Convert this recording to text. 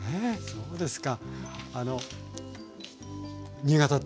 そうですね。